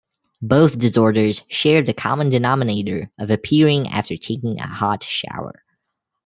Both disorders share the common denominator of appearing after taking a hot shower.